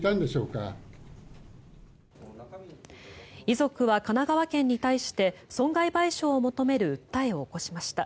遺族は神奈川県に対して損害賠償を求める訴えを起こしました。